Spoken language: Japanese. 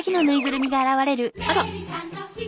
あら？